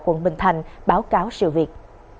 quận bình thạnh báo cáo sự việc